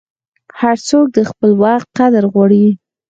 هر څوک د خپل وخت قدر غواړي.